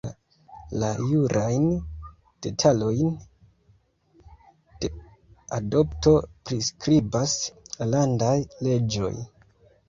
La jurajn detalojn de adopto priskribas la landaj leĝoj.